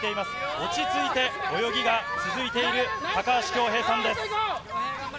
落ち着いて、泳ぎが続いている高橋恭平さんです。